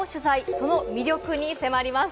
その魅力に迫ります。